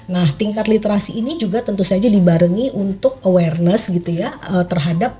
nah tingkat literasi ini juga tentu saja dibarengi untuk awareness gitu ya terhadap